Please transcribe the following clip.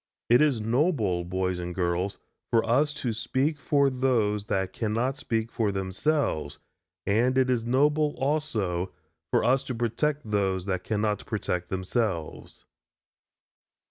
It is noble, boys and girls, for us to speak for those that cannot speak for themselves, and it is noble, also, for us to protect those that cannot protect themselves.